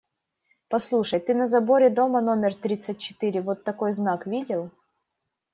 Послушай: ты на заборе дома номер тридцать четыре вот такой знак видел?